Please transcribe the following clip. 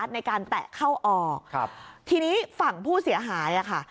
ในการแตะเข้าออกครับทีนี้ฝั่งผู้เสียหายอ่ะค่ะ